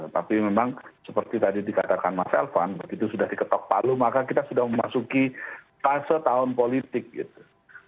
tapi memang seperti tadi dikatakan mas elvan begitu sudah diketok palu maka kita sudah memasuki fase tahun politik gitu